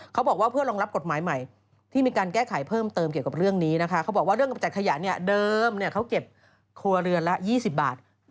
เขาบอกว่าเพื่อรองรับกฎหมายใหม่ที่มีการแก้ไขเพิ่มเติมเกี่ยวกับเรื่องนี้นะคะ